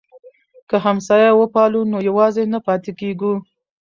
که همسایه وپالو نو یوازې نه پاتې کیږو.